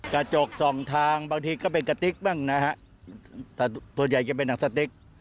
กระจกสองทางบางทีก็เป็นกะติ๊กบ้างนะฮะแต่ส่วนใหญ่จะเป็นหนังสติ๊ก